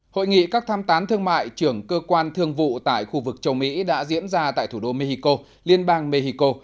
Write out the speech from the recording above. hội nghị các tham tán thương mại trưởng cơ quan thương vụ tại khu vực châu mỹ đã diễn ra tại thủ đô mexico liên bang mexico